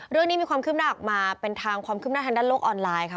เรื่องนี้มีความขึ้นหน้าออกมาเป็นทางความคืบหน้าทางด้านโลกออนไลน์ค่ะ